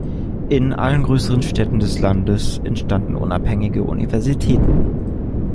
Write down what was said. In allen größeren Städten des Landes entstanden unabhängige Universitäten.